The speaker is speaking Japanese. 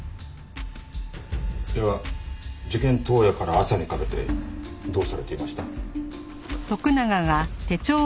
では事件当夜から朝にかけてどうされていました？